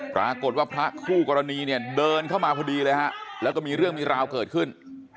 ปรากฏว่าพระคู่กรณีเนี่ยเดินเข้ามาพอดีเลยฮะแล้วก็มีเรื่องมีราวเกิดขึ้น